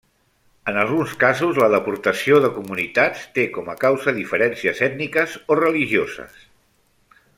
En alguns casos la deportació de comunitats té com a causa diferències ètniques o religioses.